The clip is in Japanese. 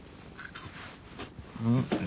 うん。